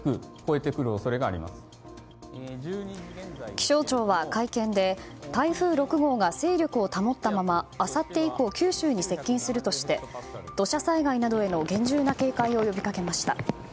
気象庁は会見で台風６号が勢力を保ったままあさって以降九州に接近するとして土砂災害などへの厳重な警戒を呼びかけました。